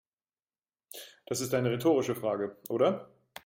Das ist eine rhetorische Frage, oder?